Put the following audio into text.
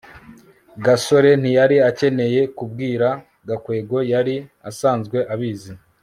gasore ntiyari akeneye kubwira gakwego. yari asanzwe abizi